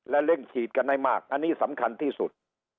และเร่งฉีดกันให้มากอันนี้สำคัญที่สุด